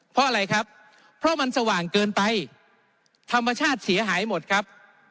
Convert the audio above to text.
เพราะอะไรครับเพราะมันสว่างเกินไปธรรมชาติเสียหายหมดครับ